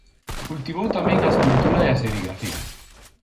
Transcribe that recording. Cultivou tamén a escultura e a serigrafía.